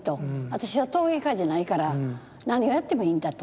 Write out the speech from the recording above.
私は陶芸家じゃないから何をやってもいいんだと。